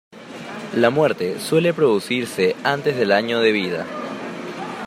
La muerte suele producirse antes del año de vida.